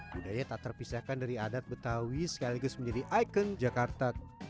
budaya tak terpisahkan dari adat betawi sekaligus menjadi ikon jakarta